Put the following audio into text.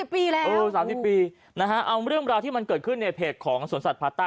๓๐ปีนะฮะเอาเรื่องราวที่มันเกิดขึ้นในเพจของสวนสัตว์พาต้า